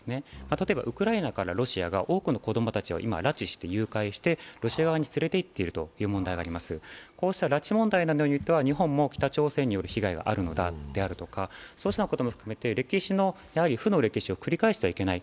例えばウクライナからロシアが多くの子供たちを今、拉致して誘拐してロシア側に連れて行っているという問題があります、こうした拉致問題などは日本も北朝鮮による被害があるんだとか、そういうことも含めて歴史の負の歴史を繰り返してはいけない。